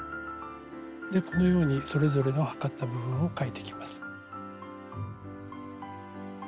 このようにそれぞれの測った部分を書いていきます。